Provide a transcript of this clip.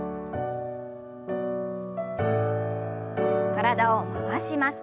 体を回します。